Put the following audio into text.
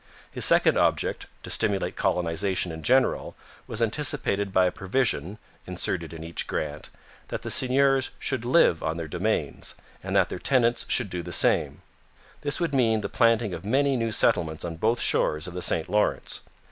His second object, to stimulate colonization in general, was anticipated by a provision inserted in each grant that the seigneurs should live on their domains, and that their tenants should do the same; this would mean the planting of many new settlements on both shores of the St Lawrence.